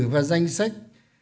và danh sách